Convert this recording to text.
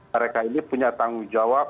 mereka ini punya tanggung jawab